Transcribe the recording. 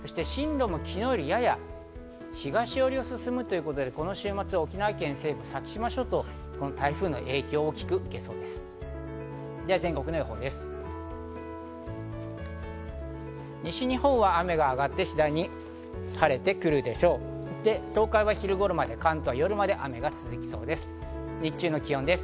進路も昨日より、やや東寄りを進むということでこの週末、沖縄県、先島諸島、台風の影響を大きく受けそうです。